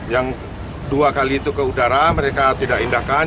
yang dua kali itu ke udara mereka tidak indahkan